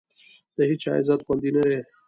د هېچا عزت خوندي نه دی.